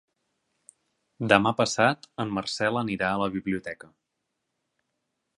Demà passat en Marcel anirà a la biblioteca.